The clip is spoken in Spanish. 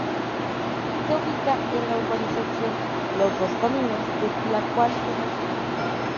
Se ubica en la urbanización Los Dos Caminos, de la cual toma su nombre.